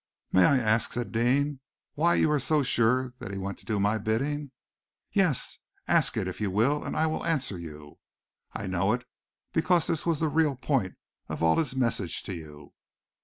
"May I ask," said Deane, "why you are so sure that he went to do my bidding?" "Yes! Ask, if you will, and I will answer you. I know it because this was the real point of all his message to you.